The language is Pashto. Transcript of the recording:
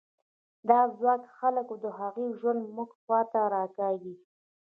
دا ځواک خلک او د هغوی ژوند موږ خوا ته راکاږي.